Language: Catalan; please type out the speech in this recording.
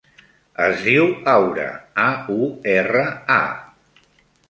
Es diu Aura: a, u, erra, a.